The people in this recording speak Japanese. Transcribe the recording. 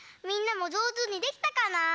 みんなもじょうずにできたかな？